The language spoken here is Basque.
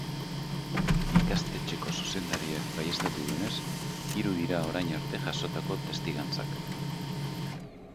Ikastetxeko zuzendariak baieztatu duenez, hiru dira orain arte jasotako testigantzak.